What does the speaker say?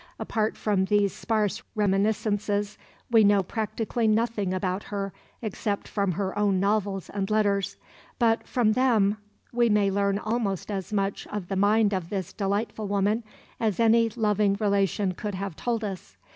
Apart from these sparse reminiscences we know practically nothing about her except from her own novels and letters, but from them we may learn almost as much of the mind of this delightful woman as any loving relation could have told us.